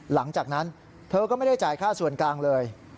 หลังจากนั้นเธอก็ไม่ได้จ่ายค่าส่วนกลางเลย